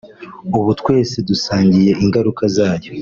ubu twese dusangiye ingaruka zayo